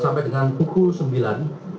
sampai dengan pukul sembilan